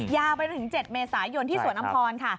ยาวไปจนถึง๗เมษายนที่สวนอำพรค่ะ